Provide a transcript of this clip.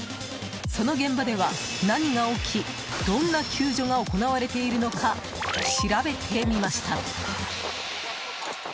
その現場では何が起きどんな救助が行われているのか調べてみました。